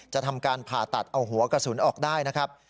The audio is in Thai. ทำการผ่าตัดเอาหัวกระสุนออกได้นะครับ